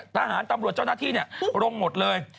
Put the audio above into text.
ทหารตำรวจเจ้าหน้าที่ลงหมดเลย